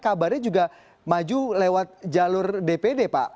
kabarnya juga maju lewat jalur dpd pak